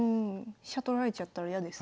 飛車取られちゃったら嫌ですね。